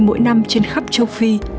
mỗi năm trên khắp châu phi